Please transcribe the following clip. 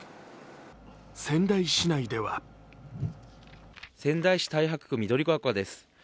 仙台市内では仙台市太白区緑が丘です。